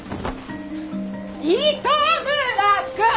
糸村くん！